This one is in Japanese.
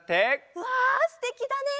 うわすてきだね。